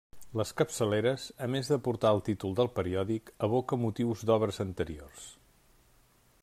Les capçaleres, a més de portar el títol del periòdic, evoca motius d'obres anteriors.